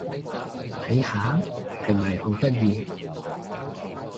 睇下！係咪好得意？